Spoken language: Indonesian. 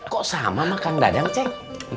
kok sama kang dadang cik